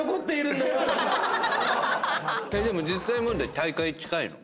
でも実際問題大会近いの？